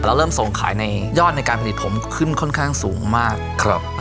เริ่มส่งขายในยอดในการผลิตผมขึ้นค่อนข้างสูงมากครับ